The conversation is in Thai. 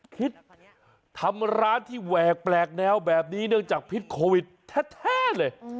คิดทำร้านที่แหวกแปลกแนวแบบนี้เนื่องจากพิษโควิดแท้เลย